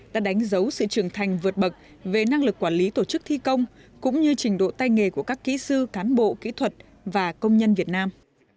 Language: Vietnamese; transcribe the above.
đã đánh dấu sự trưởng thành vượt bậc về năng lực quản lý tổ chức thi công cũng như trình độ tay nghề của các kỹ sư cán bộ kỹ thuật và công nhân việt nam